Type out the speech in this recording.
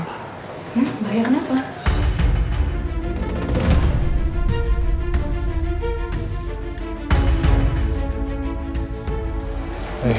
hmm bahaya kenapa